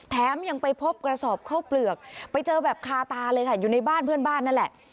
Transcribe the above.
แถมยังไปพบกระสอบเข้าเปลือกไปเจอแบบคาตาเลยค่ะอยู่ในบ้านเพื่อนบ้านนั่นแหละ